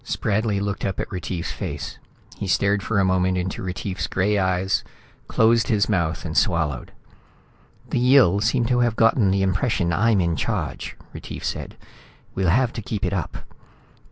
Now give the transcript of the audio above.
Spradley looked up at Retief's face. He stared for a moment into Retief's gray eyes, closed his mouth and swallowed. "The Yill seem to have gotten the impression I'm in charge," Retief said, "We'll have to keep it up."